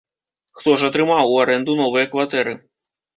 Хто ж атрымаў у арэнду новыя кватэры?